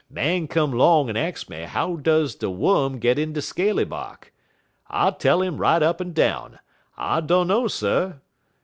Man come 'long en ax me how does de wum git in de scaly bark. I tell 'im right up en down, I dunno, sir.